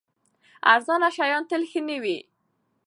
ارزانه شیان تل ښه نه وي.